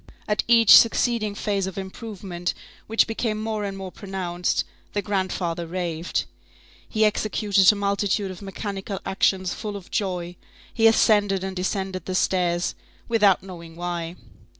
At each succeeding phase of improvement, which became more and more pronounced, the grandfather raved. He executed a multitude of mechanical actions full of joy; he ascended and descended the stairs, without knowing why.